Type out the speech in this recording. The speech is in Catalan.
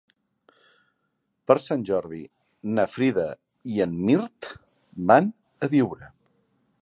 Per Sant Jordi na Frida i en Mirt van a Biure.